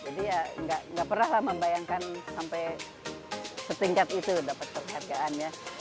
ya nggak pernah lah membayangkan sampai setingkat itu dapat penghargaan ya